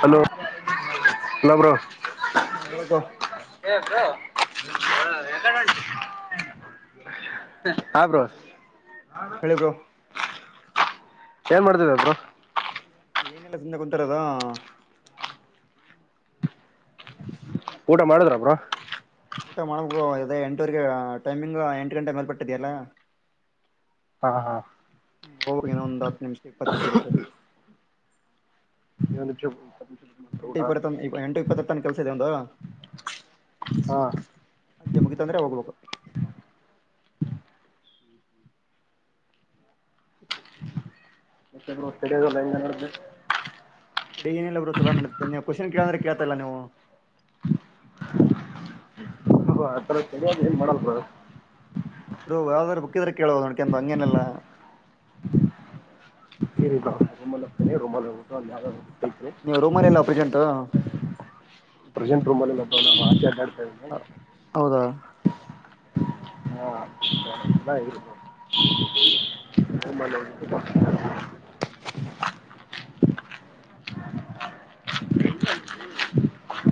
Hello hello bro ಹ ಹೇಳಿ bro ಏ ಬ್ರೋ ಹ [unintelligible] ಹಾ ಬ್ರೋ ಹೇಳಿ ಬ್ರೋ ಏನ್ ಮಾಡ್ತಿದ್ಯ ಬ್ರೋ. ಏನೆಲ್ಲಾ ಸುಮ್ನೆ ಕುಂತಿರದು ಊಟ ಮಾಡುದ್ರ ಬ್ರೋ ಊಟ ಮಾಡು ಬ್ರೋ ಇದೆ ಎಂಟವರೆಗೆ ಟೈಮಿಂಗ್ ಎಂಟು ಗಂಟೆ ಮೇಲ್ಪಟ್ಟಿದೆ ಅಲಾ ಹಾ ಹಾ ಹೋಗ ಇನ್ನೊಂದ್ ಹತ್ತು ನಿಮಷ ಇಪ್ಪತ್ತು ನಿಮಿಷ ಬಿಟ್ಟು. [inaudible] ಎಂಟು ಇಪ್ಪತ್ತ ಇಪ್ಪ ಎಂಟು ಇಪ್ಪತ್ತತ್ತನ ಕೆಲ್ಸ ಇದ್ಯ ಇವ್ನದು ಹಾ ಅದ್ ಮುಗಿತ್ ಅಂದ್ರೆ ಹೋಗ್ [unintelligible] ಹ್ಮ್ ಹ್ಮ ಹುಪ್ಪು [unintelligible] [unintelligible] ನಡೀತ ನೀವು ಕ್ವಶನ್ ಕೇಳಂದ್ರೆ ಕೇಳ್ತಾಇಲ್ಲ ನೀವು ಹೊ ಆಥರ ಸರಿಯಾಗಿ ಏನ್ ಮಾಡಲ್ [unintelligible] ಬ್ರೋ ಯಾವದಾರ ಬುಕ್ಕ್ ಇದ್ರೆ ಕೇಳ್ [unintelligible] ಹೇಳಿ ಬ್ರೋ ರೂಮಲ್ ಹೋಗ್ತೀನಿ ರೂಮಲ್ಲ್ ಹೋಗ್ಬಿಟ್ಟು ಅಲ್ಲ್ ಯಾವದಾರು [unintelligible] ನೀವ್ ರೂಮಲ್ಲ್ ಇಲ್ಲ ಪ್ರೆಸೆಂಟ್. ಪ್ರೆಸೆಂಟ್ ರೂಮಲ್ಲ್ ಇಲ್ಲ ಬ್ರೋ ನಾನು ಆಚೆ ಅಡ್ಡ ಹೌದಾ [inaudible] ಹಾ [inaudible] [inaudible]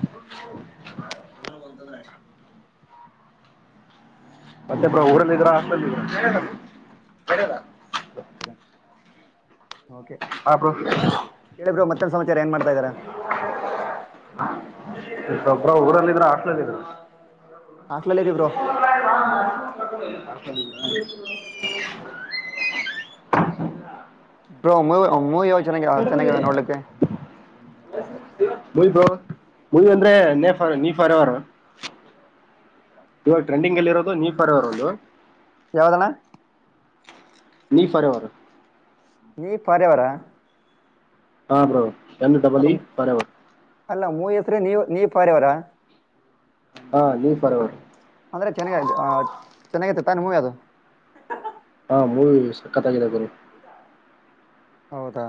ಊರಾಗ್ ಒಂದ್ [unintelligible] ಮತ್ತೆ ಬ್ರೋ ಊರಲೀಇದಿರ ಹಾಸ್ಟೆಲಿ ಇದ್ದೀರಾ. [unintelligible] ಓಕೆ ಹಾ ಬ್ರೊ ಹೇಳಿ ಬ್ರೋ ಮತ್ತೇನ್ ಸಮಾಚಾರ ಏನ್ ಮಾಡ್ತಾ ಇದ್ದೀರಾ [unintelligible] ಬ್ರೋ ಊರಲ್ಲಿ ಇದ್ರ ಹಾಸ್ಟೆಲ್ನಲ್ಲಿ ಇದ್ದೀರಾ [unintelligible] ಹಾಸ್ಟೆಲಲ್ಲಿ ಇದೀವಿ ಬ್ರೋ ಬ್ರೊ ಮು ಮೂವಿ ಯೋ ಕೆಡಗದೆ [unintelligible] ಮುಯ ಬ್ರೊ ಮುಯ ಅಂದ್ರೆ ನಫಾರ್ ನೀಫರ್ ಅವೆರ ಇವಾಗ ಟ್ರೆಂಡಿಂಗ್ಲ್ಲಿ ಇರೋದು ನಿಪರ್ ಅವೆರ ಒಂದ ಯಾವುದನ್ನ ನೀ ಫಾರೆವರ್ ನೀ ಪರೆವಾರ ಹಾ ಬ್ರೊ ಎನ್ ಡಬಲ್ ಇ ಅದು ಫಾರೆವರ್ ಅಲ್ಲ ಮೂವ ಹೆಸ್ರ ನೀವು ನೀ ಪಾರವರ ಹಾ ನೀ ಫಾರೆವರ್ ಅಂದ್ರೆ ಚೆನ್ನ ಚೆನ್ನಾಗಾತೆ ತಾನೆ ಮೂವಿ ಅದು ಹಾ ಬ್ರೊ ಸಕ್ಕತ್ತಾಗಿದೆ ಬ್ರೊ ಹೌದಾ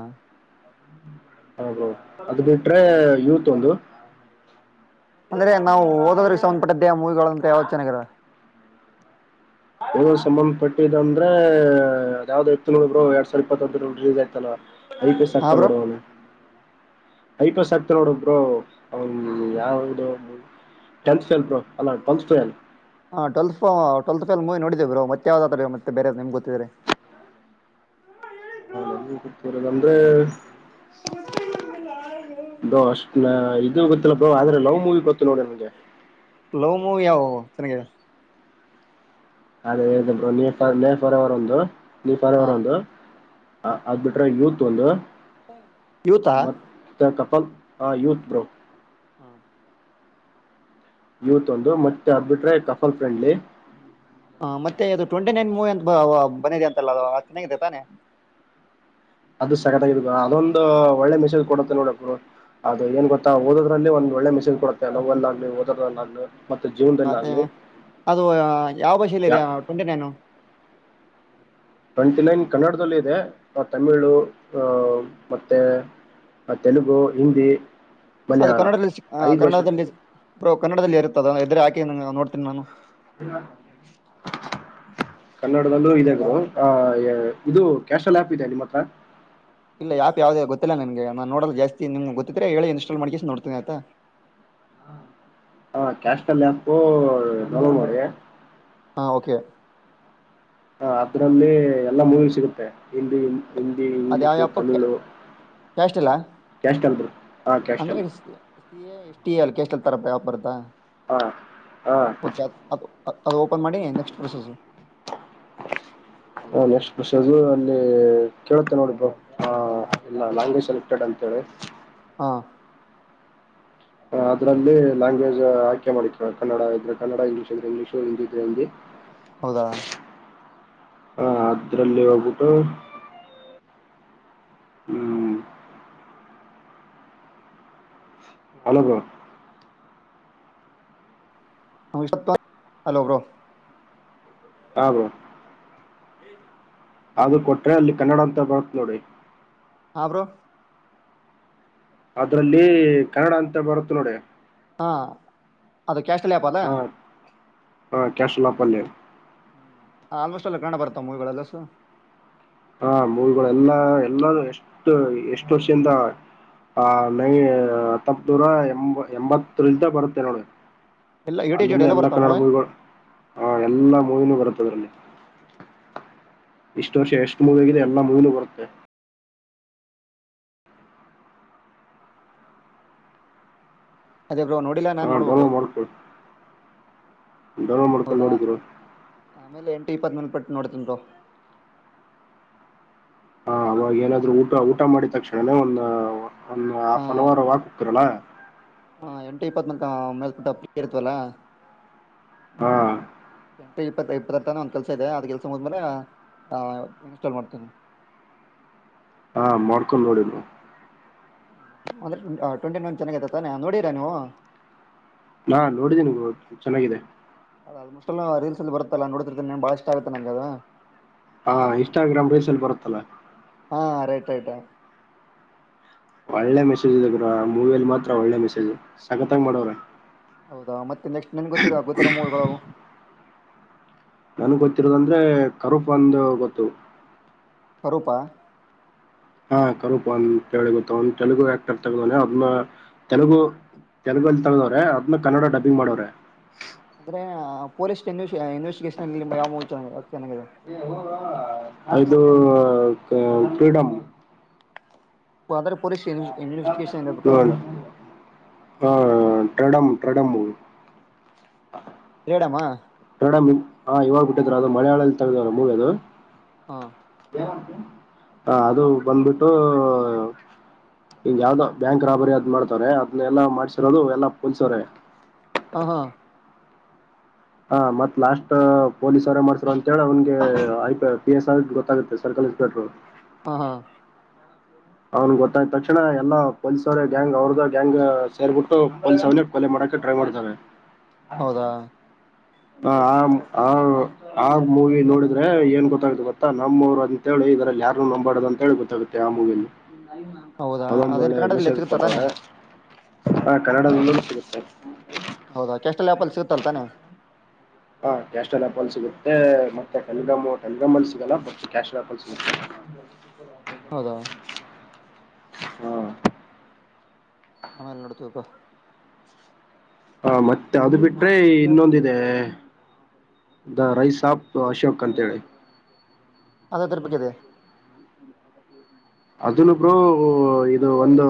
ಹಾ ಬ್ರೊ ಅದು ಬಿಟ್ರೆ ಯೂತ್ ಒಂದು ಅಂದ್ರೆ ನಾವು ಹೋದ ವರ್ಷ ಪಟ್ಟದಹ ಮೂವಿಗಳು ಅಂತ ಯಾವ್ದ ಚಾನ್ನಗಿವೆ.. ಓದೋ್ ಸಂಬಂಧಪಟ್ಟಿದ ಅಂದ್ರೆ ಅದ ಯಾವ್ದ್ ಇತ್ತು ಬ್ರರು ಯಾಡ ಸ್ವಲ್ಪ್ ದೊಡ್ಡದ ರಿಲೀಸ್ ಆಯ್ತಲ್ಲ ಐದ್ ಹಾ ಬ್ರೋ ಸಕ್ಕಲಹೊಡದನಿ ಐಪಸ್ ಆಕ್ತಹೊಡದ್ರು ಅವನು ಯಾವದ ಮು ಟೆಂತ್ ಫೇಲ್ ಬರೋ ಅಲ್ಲ ಟಂತ್ಸ್ಫಲ್ ಹಾ ಟ್ವೆಲ್ ಟ್ವೆಲ್ತ್ ಫಲ್ ಮೂವಿ ನೋಡಿದ್ದ ಬ್ರೊ ಮತ್ತೆ ಯಾವ್ದಾದ್ರ ಮತ್ತ ಬೇರೆ ನಿಮ್ ಗೊತ್ತಿದ್ರೆ. ಹೌದ್ ಅದನ ಬಿಟ್ಟ ಬೇರೆದದ್ರೆ.. ಬೋ ಅಷ್ಟ್ ಇದು ಗೊತ್ತಿಲ್ಲ ಬ್ರೋ ಆದ್ರೆ ಲವ್ ಮೂವಿ ಗೊತ್ತು ನೋಡ ನನ್ಗೆ ಲವ್ ಮೂವಿ ಯಾವು ಚೆನ್ನಾಗಿ ಅದೇ ಹೇಳದೆ ಬ್ರೊ ನೇ ನೆ ಫರವರ್ ಒಂದು ನೀ ಹಾ ಪರ್ವರ್ ಒಂದು ಅ ಅದ್ ಬಿಟ್ಟರೆ ಯೂತ್ ಒಂದು. ಯೂತಾ ಮತ್ತೆ ಕಪಲ್ ಆ ಯೂತ ಬ್ರೋ [inaudible] ಯೂತ್ ಒಂದು ಮತ್ತೆ ಅದಬಿಟ್ರೆ ಕಫಲ್ ಫ್ರೆಂಡ್ಲಿ. ಹ ಮತ್ತೆ ಅದು ಟ್ವೆಂಟಿ ನೈನ್ ಮೂವಿ ಅಂತ ಬಂದಿದೆ ಅಂತಲ್ಲ ಅ ಚೆನ್ನಾಗಿದೆ ತಾನೆ. ಅದು ಸಕತತ್ತಾಗ್ ಅದೊಂದು ಒಳ್ಳೆ ಮೆಸೇಜ್ ಕೊಡುತ್ತೆ ನೋಡಕ್ ಬ್ರೊ ಅದು ಏನ್ ಗೊತ್ತಾ ಓದೊದರಲ್ಲಿ ಒಂದಒಳ್ಳೆ ಮೆಸೇಜ್ ಕೊಡುತ್ತೆ ನೋವುಲ್ ಆಗಲಿ ಓದ್ರಲ್ಲಾಲಿ ಆಗಲಿ.. ಹ್ಮ್ ಅದೇ ಅದು ಯಾವ ಭಾಷೆಲಿ ಯಾ ಇದೆ ಟ್ವೆಂಟಿ ನೈನು. ಟ್ವೆಂಟಿ ನೈನ್ ಕನ್ನಡದಲ್ಲಿ ಇದೆ ತಮಿಳು ಆ ಮತ್ತೆ ತೆಲುಗು ಹಿಂದಿ ಅದು ಮಲಯಾಳ ಕನ್ನಡದಲ್ಲಿ ಸಿಕ್ಕ ಐದು ಭಾಷೆ ಕನ್ನಡದಲ್ಲಿ ಬ್ರೊ ಕನ್ನಡದಲ್ಲಿ ಇರುತ್ತ ಅದ ಇದ್ರೆ ಹಾಕಿ ನೋಡ್ತೀನಿ ನಾನು. [unintelligible] ಕನ್ನಡದಲ್ಲೂ ಇದೆ ಗುರು ಆ ಇದು ಕ್ಯಾಶಲ್ ಆಪ್ ಇದೆ ನಿಮ್ಮ್ ಹತ್ರ. ಇಲ್ಲ ಯಾ ಯಾವ್ದೇ ಗೊತ್ತಿಲ್ಲ ನನ್ಗೆ ನೋಡಲ್ ಜಸ್ತಿ ನಿಮ್ ಗೊಿದ್ರ ಹೇಳ ಇನ್ಟಾಲ್ ಮಾಡಿ ನೋತೀನ ಆಯತಾ ಹಾ ಕ್ಯಾಶಲ್ಾಪು ನಲ ಮಾಡಿ ಹಾ ಓಕೆ ಹ ಅದ್ರಲ್ಲಿ ಎಲ್ಲಾ ಮೂವಿ ಸಿಗುತ್ತೆ. ಹಿಂದಿ ಹಿಂದಿ ಇಂಗ್ಲೀಷು ತಮಿಳು ಕೆಷ್ಟ ಇಲ್ಲ ಕ್ಯಾಶ ಟಲ್ೀ ಹಾ ಕ್ಯಾಶ್ಟಲ್ೀ ಅಷ್ಟ ಎಷ್ಟೀ ಅಲ್ಲಿ ಕ ಎಷ್ಟ ಎ ತರ್ಯಾಪಾರದಾ ಹಾ ಹಾ ಅದು ಅದು ಓಪನ್ ಮಾಡಿ ನೆಕ್ಸ್ಟ್ ಪ್ರೊಸೆಸ್ ಹ ನೆಕ್ಸ್ಟ್ ಬಷ ಅದು ಅಲ್ಲಿ ಕೇೇಳತ್ತೇ ನೋಡಿ ಬ ಇಲ್ಲಲ್ಯಾಂಗ್ವಜ್ ಸೆಲೆಕ್ಟೆಡ್ ಅಂತ ಹೇಳಿ ಹಾ ಅದಲ್ಲಿಲ್ಯಾಂಗ್ವೇ್ ಆ್ಕೆ ಮಾಡಿಕ ಕನ್ನಡ ಇದ್ರೆ ಕನ್ನಡ ಇಂಗ್ಲೀಷ್ ಇದ್ರೆ ಇಂಗ್ಲೀಷ್ ಹಿಂದಿ ಇದ್ರೆ ಹಿಂದಿ [inaudible] ಹೌದಾ ಹ ಅದ್ರಲ್ಲಿ ಹೋಗ್ಬಿಟ್ಟು ಹ್ಮ್ ಹಲ್ಲೊ ಬ್ರೋ ಹ ಸ ಹಲೋ ಬ್ರೋ ಆಬೋ [inaudible] ಅದು ಕೊಟ್ರೆ ಅಲ್ಲಿ ಕನ್ನಡ ಅಂತ ಬರುತ್ ನೋಡಿ ಹಾಬ್ರುೋ ಅದ್ರಲ್ಲಿ ಕನ್ನಡ ಅಂತ ಬರುತ್ತ ನೋಡಿ ಹಾಂ ಅದು ಕ್ಯಾಶಲ್ಲಿ ಆ್ಯಪ್ ಅದಾ ಹ ಹ ಕ್ಯಾಶಲ್ಲಪ್ಪಲ್ಲ ಆಲ್ೋಸ್ ಎಲ್ಲ ಕಂಡ ಬರ್ತಾ ಮೂವಿಗಳೆಲ್ಲಷ್ಟು ಹಾ ಮೂವಿಗಳ ಎಲ್ಲಾ ಎಲ್ಲೂ ಎಷ್ಟು ಎಷ್ಟು ವರ್ಷದಿಂದ ಆ ನೈ ಹತ್ತಪ್ಪ ನೂರ ಎಂಬ ಎಂಬತ್ರಿಿಂದ ಬರುತ್ತೆ ನೋಡ ಎಲ್ಲ ಯು ಟಿ ಜೋಡಿ ಅಲ್ಲಿಂದ ಎಲ್ಲ ಎಲ್ಲಾ ಬರ್ತಾವ ಕನ್ನಡ ಮೂವಿ ಮೂವಿಗಳು ಹ ಎಲ್ಲಾ ಮೂವಿನೂ ಬರುತ್ತದರಲ್ಲಿ ಇಷ್ಟ ವರ್ಷ ಎಷ್ಟು ಮುಗ ಆಗಿದೆ ಎಲ್ಲಾ ಮುಗನು ಬರುತ್ತೆ ಅದೇ ಬ್ರೋ ನೋಡಿಲ್ಲ ಹಾ ನಾನು ಡನೋ ನೋಡ್ಬೇಕು ಮಾಡ್ಕಲ್ ಡನೋ ಮಾಡ್ಕೊಂಡು ಹೌದಾ ನೋಡಿದರು ಆಮೇಲೆ ಎಂಟ ಇಪ್ಪತ್ೇಲ್ಟ್ಟ ನಡ್ತೀಿು ಹ ಅವಾಗ ಏನಾದ್ೂ ಊಟ ಊಟ ಮಾಡಿದ ತಕ್ಷಣನೇ ಒಂದ ಒಂದ್ ಹಾಫ್ ಅನ್ ಅವರ್ ವಾಕ್ ಹೋಗತರಲ್ಲಾ ಹ ಎಂಟು ಇಪ್ಪತ್ನಾಲ್ಕ ಮೇಲ್ಪುಟ್ಟ ಪೀರ್ತ್ವಲ್ಲಾ ಹಾ ಎಂಟ ಇಪ್ಪ ಇಪ್ಪತ್ತರ್ ತನ ಒಂದ್ ಕೆಲಸ ಇದೆ ಅದ್ ಕೆಲಸ ಮುದ್ಮೇಲೆ ಇನ್ಸ್ಟಾಲ್ ಮಾಡ್ತೇನನೆ ಹಾ ಮಾಡ್ಕೊಂಡ್ ನೋಡಿ ನವು ಅಂದ್ರಟ್ ಟ್ವೆಂಟಿ ನನ್ ಚೆಾಗಐತ ನೋಡಡಿರಾ ನೀವು ನಾ ನೋಡಿದ್ದೀನಿ ಚೆನ್ನಾಗಿದೆ ಅದ ಅದ ಮುಷ್ಟೆಲ್ಲ ರಲ್ ಅಲ್ಲಿ ಬತ್ತಲ್ಲ ನೋಡ್ತಿರ್ತೇನ್ ಬಾಳ ಇಷ್ಟ ಆಗತ್ತೆ ನಂ ಅದು ಹಾ ಇನ್ಸ್ಟಾಗ್ರಾಮ್ ರೀಸಲ್ಲಿ ಬರುತ್ತಲ್ಲಾ ಹಾ ರೈಟ್ ೈಟ್ ಒಳ್ಳೆ ಮೆಸೇಜ್ ಇದೆ ಗುರ ಮೂವಿಿಯಲ್ಲಿ ಮಾತ್ರ ಒಳ್ಳೆ ಮೆಸೇಜ್ ಸಗತ್ತಂಗ ಮಾಡೋವ್ರ ಹೌದಾ ಮತ್ತೆ ನೆಕ್ಟ್ ನನ್ ಗತ್ತರ ಆ ಗೋತರ ಮೂವಗಳು ನನ್ಗ್ ಗೊತ್ತಿರೋದಂದ್ರೆ ಕರೂಪ್ ಒಂದು ಗೊತ್ತು ತರೂಪ ಹಾ ಕರೂಪ ಅಂತ ಹೇಳಿ ಗೊತ್ತ ಒಂದು ತೆಲುಗು ಆಕ್ಟರ್ ತಗ್ದವಾನೆ ಅದ್ನ್ನ ತೆಲುಗು ತೆಲುಗ ಅಲ್ಲಿ ತಳದವ್ರ ಅದ್ೇ ಕನ್ನಡ ಡಬ್ಬಂಗ್ ಮಾಡವ್ರೆ ಅಂದ್ರೆ ಪೊಲೀಸ್ ಇ ಇನ್ವೆಸ್ಿಗೇಷನ್ ಅಲ್ಲಿ ಯಾವ ಚೆನ್ನಾಗಿದೆ ಇದು ಕ್ರೀಡಂ [unintelligible] ಇ ಅದ್ರ ಪೊಲೀಸ್ ಇನ್ವೆಸ್ಟಗೇಷನ್ ಬಿಟ್ಟರಲ್ಲ ಹ ಟ್ರೇಡಂ ಟ್ರೇಡಂ ಟ್ರೇಡಮ್ಮ ಪ್ರಣಮ ಹ ಯವಾಗ ಬಿಟ್ಟತರ ಅ ಮಲಯಳದಲ್ಲಿ ತೆಗೆದರ ಮೂವಿ್ ಅದು ಹಾ ಹ ಅದು ಬಂದ್ಬಿಟ್ಟು ಹಿಂಗ ಯಾವ್ದ್ ಬ್ಯಾಂಕ್ ರಾಬರಿ ಅದ್ ಮಾಡ್ತವಾರೆ ಅದನ್ನನೆಲ್ಲಾ ಮಾಡ್ಸಿರೋದು ಎಲ್ಲ ಪೊಲೀಸ್ವ್ರೆ ಹಾ ಹಾ ಹಾ ಮತ್ ಲಾಸ್ಟ್ ಪೊಲೀಸ್ ಅವರೇ ಮಾಡ್ಸಾರ ಅಂತೇಳಿ ಅವ್ನ್ಗೆ ಐ ಪ ಪಿ ಎಸ್ ಐ ಗೆ ಗೊತ್ತಾಗುತ್ತೆ ಸರ್ಕಲ್ ಇನ್ಸ್ಪೆಕ್ಟರ್ ಹಾ ಹಾ ಅವ್ನ್ಿಗೆ ಗೊತ್ತಾಯ್ ತಕ್ಷಣ ಎಲ್ಲ ಪೊಲೀಸ್ ಅವ್ರ ಗ್ಯಾಂಗ್ ಅವ್ರದ ಗ್ಯಾಂಗ್ ಸೇರ್ಬಿಟ್ಟು ಪೊಲೀಸ್ ಅವ ಕೊಲೆ ಮಾಡಕ ಟ್ರೈ ಮಾಡ್ತಾವ್ರೆ ಹೌದಾ ಹ ಆ ಹ ಆ ಮೂವಿ ನೋಡಿದ್ರೆ ಏನ್ ಗೊತ್ತಾಗುತ್ತ ಗೊತ್ತ ನಮ್ಮ್ವರು ಅಂತೇಳಿ ಇದ್ರಲ್ಲಿ ಯಾರು ನಂಬಾಡದು ಅಂತಿ ಗೊತ್ತಾಗುತ್ತೆ ತ್ಯಾಮಗ ಹೌದಾ ಅದೊಂದು್ ಅದೇನ್ ಒಳ್ಳೆ ಕನ್ನಡದಲ್ಲಿ ಮೆಸೇಜ್ ಸಿಗುತ್ತಾ ತಾನೆ ಕೊಟ್ಟವ್ರೆ ಹಾ ಕನ್ನಡದಲ್ಲೂ ಸಿಗುತ್ತೆ ಹೌದಾ ಕ್ಯಾಸ್ಟಲ್ ಆಪ್ ಅಲ್ಲಿ ಸಿಗುತ್ತಲ್ ತಾನೆ ಹಾ ಕ್ಯಾಶಲ್ ಆಪಲ್ ಸಿಗುತ್ತೆ ಮತ್ತೆ ಕಲ್ಗಮ್ಮ ಕಗಮ್ಮಲ್ ಸಿಗಲ್ಲ ಬ ಕ್ಯಾಶಲ್ ಆಪಲ್ ಸಿಗುತ್ತೆ ಹ [inaudible] ಹೌದಾ ಹಾ ಆಮೇಲೆ ನಡ್ತೀವಿಪ ಹಾ ಮತ್ತೆ ಅದು ಬಿಟ್ರೆ ಇನ್ನೊಂದಿದೆ ದ ರೈ ಸಾಪ್ ಅಶೋಕ್ ಅಂತೇಳಿ ಅದೇ ತಿರ್ಪಕ್ಕಿದ್ದದೆ ಅದನ್ನು ಬ್ರೋ ಇದು ಒಂದು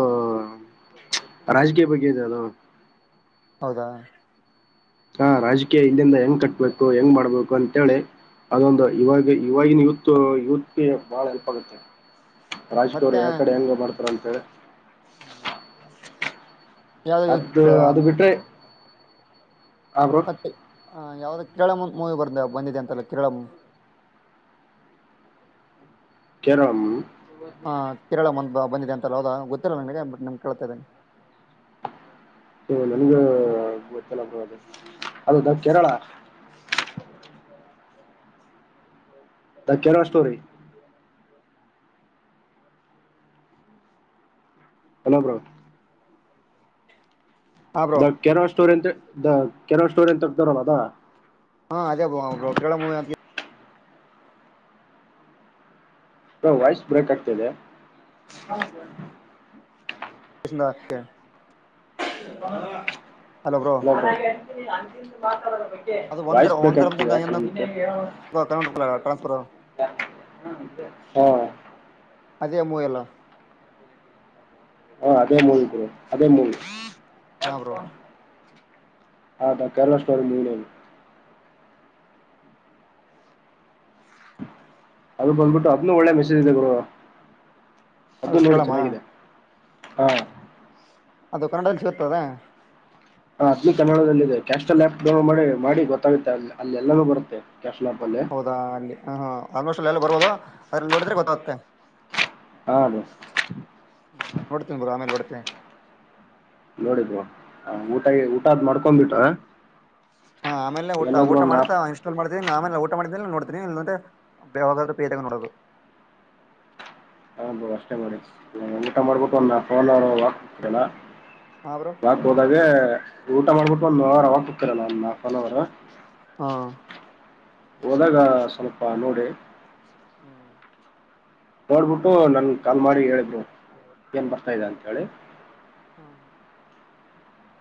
ರಾಜಕೀಯ ಬಗ್ಗೆ ಇದೆ ಅದು ಹೌದಾ ಹಾ ರಾಜಕೀಯ ಇಲ್ಲಿಂದ ಹೆಂಗ್ ಕಟ್ಬೇಕು ಹೆಂಗ್ ಮಾಡ್ಬೇಕು ಅಂತೇಳಿ ಅದೊಂದು ಇವಾಗ ಇವಾಗಿನ ಯೂತ್ ಯೂತ್ಗೆ ಬಹಳ ಹೆಲ್ಪ್ ಆಗುತ್ತೆ ರಾಜ್ದೋರು ಯಕಡೆ ಹೆಂಗ ಮಾಡ್ತಾರ ಅಂತೆೇಳ ಹ್ಮ್ ಅದು ಅದು ಬಿಟ್ರೆ ಆ ಬ್ರೋ ಮತ್ತೆ ಯಾವ್ದ ಕೇರಳ ಮೂವಿ ಬಂದ ಬಂದಿದೆ ಅಂತಲ್ಲ ಕೇರಳ ಕೇರಳಂ ಹಾ ಕೇರಳಂದ ಬಂದಿದೆ ಅಂತ ಹೋದಾ ಗೊತ್ತಿಲ್ಲ ನನ್ಗೆ ಬಟ್ಮ್ ಕೇಳ್ತಾ ಇದ್ದೇನೆ ನನಗೂ ಗೊತ್ತಲದು ಬ್ರೋ ಅದುದ Kerala Kerala story hello bro ಹಾ ಬ್ರೋ ದ ಕೇರಳ ಸ್ಟೋರ್ ಎಂತ ದ ಕೇರಳ ಸ್ಟೋರ್ ಎಂತ ಹರ್ತಾರಲ್ಲ ಅದ ಹಾ ಅದೇ bro Kerala movie voice break ಆಗ್ತಿದೆ ಇಷನಾಕ್ಕೆ ಹಣ ಹಲೋ ಬ್ರೋ ಅದು ವಾಯ್ಸ್ ಬೇಕಾಗ್ತಕ್ ಕು ಹ್ಮ ಅದೇ ಮೂವೆಲ್ಲ [unintelligible] ಹಾ ಬ್ರೋ [inaudible] [unintelligible] ಸ್ಟೋರಿತ [unintelligible] ಅದು ಬಂದ್ಬಿಟ್ಟು ಅದ್ನ್ನು ಒಳ್ಳೆ ಮೆಸೇಜ್ ಇದೆ ಗುರು ಅದು ಅದ್ನ್ನು ನೋಡಿ ಕೇಳಮ್ಮ ಚೆನ್ನಾಗಿದೆ ಹಾ ಅದು ಕನ್ನಡದ [unintelligible] ಸಿ [unintelligible] ಹ್ ಅ್ಿ ಕನ್ನಡದದಲ್ಲಿ ಇದೆ ಕ್ಯಾಶ್ಲ್ ಆ್ಯಪ್ ಡೌನ್ಲೋಡ ಮಾಡಿ ಗೊತ್ತಾಗುತ್ತೆ ಅಲ್ಲಿ ಎಲ್ಲಾನೂ ಬರುತ್ತೆ ಕ್ಯಾಶ್ಲ್ ಆಪ್ ಅಲ್ಲಿ ಹೌ [unintelligible] ಬರ್ಬೋದು ಅ್ರಲ್ಲಿ ನೋಡಿದ್ರೆ ಗೊತ್ತಾಗತ್ತೆ ಹಾಲು [unintelligible] ಆಮೇಲ್ ನೋಡ್ತಿನಿ ನೋಡಿ ಬ್ರೋ ಊಟ ಊಟಾದ್ ಮಾಡ್ಕೊ್ಬಿಟ್ಟ ಹಾ ಆಮೇಲೆ ಊಟ ಊಟ ಆ್ಯಪ್ ಮಾಡ್ತಾ ಇ [unintelligible] ಚಲ್ ಮಾಡೀನಿ ನಾವೇಲೆ ಊಟ ಮಾಡಿದೀ ನೋಡ್ತೀನ ಇಲ್ಲಂದ್ರವ ನೋದು [unintelligible] ಹಾ ಬ್ರೋ ಯಾಕ್ ಹೋದಾಗ ಊಟ ಮಾಡ್ಬಿಟ್ಟು ಒಂದು ಅವರ್ ಅವಾಗ ಹತರಲ್ಲ ಒಂದು ಹ ಆಫ್ ಒನ್ ಅವರ್ ಹಾ ಹೋದಾಗ ಸ್ವಲ್ಪ ನೋಡಿ ಹ್ಮ ನೋಡ್ಬಿಟ್ಟು ನನ್ ಕಾಲ್ ಮಾಡಿ ಹೇಳಿ ಬ್ರೋ ಏನ್ ಬರ್ತಾ ಇದೆ ಅಂತ ಹೇಳಿ ಹಾ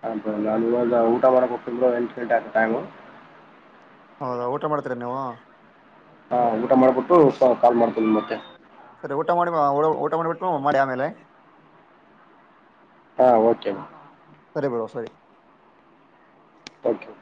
ಹ ನ ಇವಂದು ಊಟ ಮಾಡಕತ್ ಎಂಟು ಗಂಟ ಆಟಾಂಗು ಹೌದಾ ಊಟ ಮಾಡ್ತೀರ ನೀವು ಹಾ ಊಟ ಮಾಡ್ಬಿಟ್ಟು ಕಾಲ್ ಮಾಡ್ತೀನಿ ಮತ್ತೆ ಸರಿ ಊಟ ಮಾಡಿ ಊ ಊಟ ಮಾಡಿಬಿಟ್ಟು ಮಾಡಿ ಆಮೇಲೆ ಹಾ ಓಕೆ ಸರಿ ಬಿಡೋ ಸರಿ ತ್ಯಾಂಕ್ ಯು